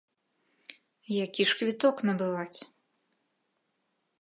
Які ж квіток набываць?